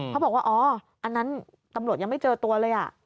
เขาบอกว่าอ๋ออันนั้นตำรวจยังไม่เจอตัวเลย